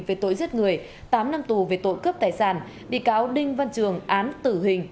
về tội giết người tám năm tù về tội cướp tài sản bị cáo đinh văn trường án tử hình